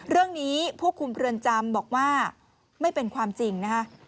เรื่องนี้ผู้คุมเรือนจำบอกว่าไม่เป็นความจริงนะฮะ